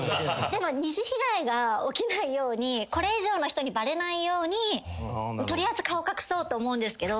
でも二次被害が起きないようにこれ以上の人にバレないように取りあえず顔隠そうと思うんですけど。